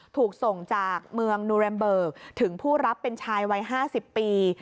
ถูกส่งจากเมืองนูแรมเบิกถึงผู้รับเป็นชายวัย๕๐ปี